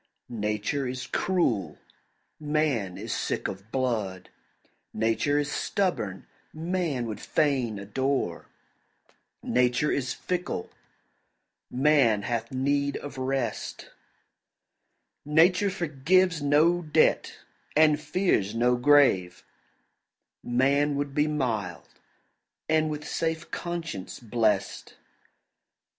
Nature is cruel, man is sick of blood; Nature is stubborn, man would fain adore; Nature is fickle, man hath need of rest; Nature forgives no debt, and fears no grave; Man would be mild, and with safe conscience blest.